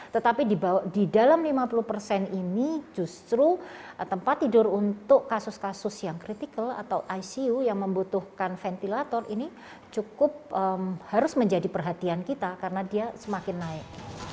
tetapi di dalam lima puluh persen ini justru tempat tidur untuk kasus kasus yang kritikal atau icu yang membutuhkan ventilator ini cukup harus menjadi perhatian kita karena dia semakin naik